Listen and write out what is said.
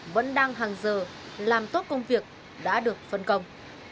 vẫn đang hàng giờ làm tốt công việc đã được phân công